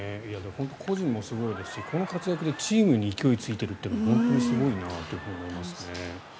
個人もすごいですしこの活躍でチームに勢いがついているのが本当にすごいなって思いますね。